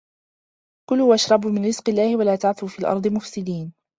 كُلُوا وَاشْرَبُوا مِنْ رِزْقِ اللَّهِ وَلَا تَعْثَوْا فِي الْأَرْضِ مُفْسِدِينَ